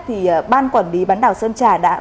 thì ban quản lý bán đảo sơn trà